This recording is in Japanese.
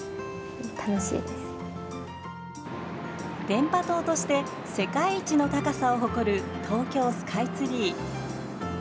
電波塔として世界一の高さを誇る東京スカイツリー。